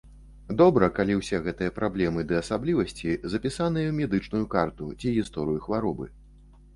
Добра, калі ўсе гэтыя праблемы ды асаблівасці запісаныя ў медычную карту ці гісторыю хваробы.